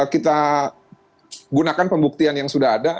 kita gunakan pembuktian yang sudah ada